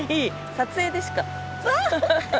撮影でしか。